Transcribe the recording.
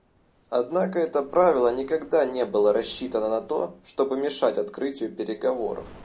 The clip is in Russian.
Однако это правило никогда не было рассчитано на то, чтобы мешать открытию переговоров.